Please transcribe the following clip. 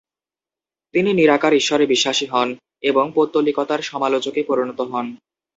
তিনি নিরাকার ঈশ্বরে বিশ্বাসী হন এবং পৌত্তলিকতার সমালোচকে পরিণত হন।